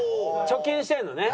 貯金してるのね？